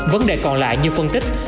vấn đề còn lại như phân tích